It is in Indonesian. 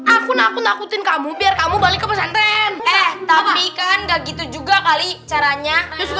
aku aku takutin kamu biar kamu balik ke pesan tren tapi kan nggak gitu juga kali caranya